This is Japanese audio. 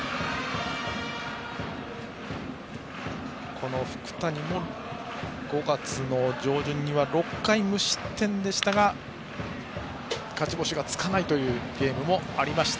この福谷も５月の上旬には６回無失点でしたが勝ち星がつかないゲームもありました。